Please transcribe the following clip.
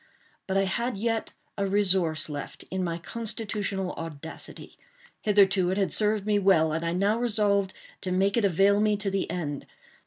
But I had yet a resource left, in my constitutional audacity. Hitherto it had served me well, and I now resolved to make it avail me to the end.